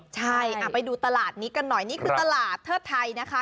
ใช่ไปดูตลาดนี้กันหน่อยนี่คือตลาดเทิดไทยนะคะ